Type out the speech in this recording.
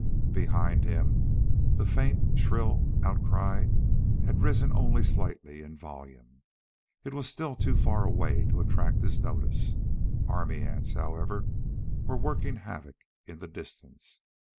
Behind him the faint, shrill outcry had risen only slightly in volume. It was still too far away to attract his notice. Army ants, however, were working havoc in the distance.